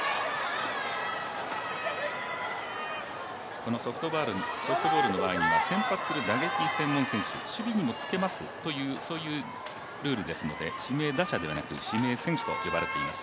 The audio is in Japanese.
このソフトボールの場合には先発する打撃専門選手守備にもつけますというルールですので指名打者ではなく指名選手と呼ばれています。